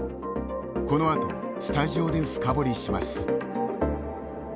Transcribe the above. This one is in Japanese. このあとスタジオで深掘りします。